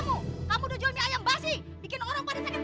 kamu jual mie ayam basi bikin orang sakit perut